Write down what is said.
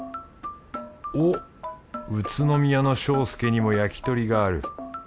おっ宇都宮の庄助にも焼き鳥がある。